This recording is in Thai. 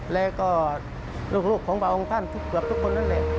และก็ลูกของพระองค์ท่านก็ทุกคน